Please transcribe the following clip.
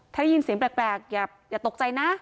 ถ้าได้ยินเสียงแปลกอย่าตกใจนะ